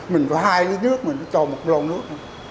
mình có hai lý nước mình cho một lon nước